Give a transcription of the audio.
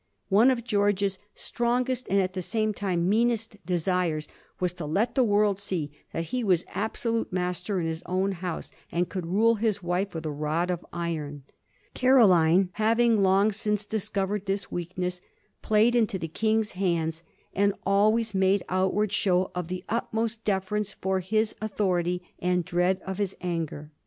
One of George's strongest, and at the same time meanest, desires was to let theworld see that he was absolute master in his own house, and could rule his wife with a rod of iron. Caroline, having long since discovered this weakness, played into the King's hands, and always made outward show of the utmost deference for his authority and dread of his anger.